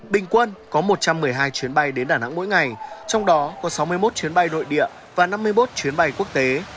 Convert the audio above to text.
bình quân có một trăm một mươi hai chuyến bay đến đà nẵng mỗi ngày trong đó có sáu mươi một chuyến bay nội địa và năm mươi một chuyến bay quốc tế